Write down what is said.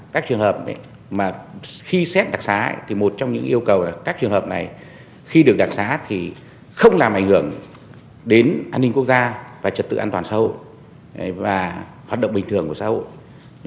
các trường hợp mà khi xét đặc xá thì một trong những yêu cầu là các trường hợp này khi được đặc xá thì không làm ảnh hưởng đến an ninh quốc gia và trật tự an toàn sâu và hoạt động bình thường của xã hội